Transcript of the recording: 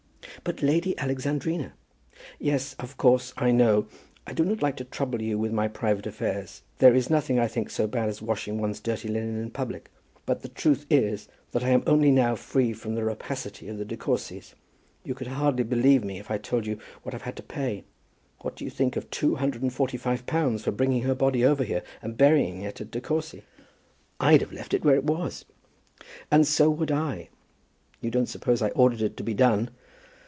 "But Lady Alexandrina " "Yes; of course; I know. I do not like to trouble you with my private affairs; there is nothing, I think, so bad as washing one's dirty linen in public; but the truth is, that I am only now free from the rapacity of the De Courcys. You would hardly believe me if I told you what I've had to pay. What do you think of two hundred and forty five pounds for bringing her body over here, and burying it at De Courcy?" "I'd have left it where it was." "And so would I. You don't suppose I ordered it to be done.